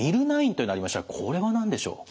Ｍｙｌ９というのがありましたがこれは何でしょう？